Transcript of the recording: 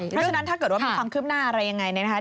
เพราะฉะนั้นถ้าเกิดว่ามีความคืบหน้าอะไรยังไงเนี่ยนะคะ